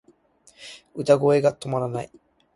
歌声止まらない